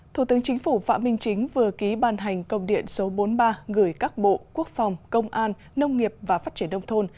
thủ tướng chính phủ phạm minh chính vừa ký ban hành công điện số bốn mươi ba gửi các bộ quốc phòng công an nông nghiệp và phát triển đông thôn